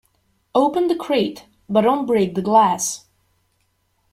Open the crate but don't break the glass.